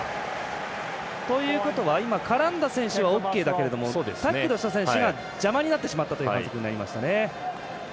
ということは絡んだ選手はオーケーだけどもタックルした選手が邪魔になってしまったという反則になりましたね。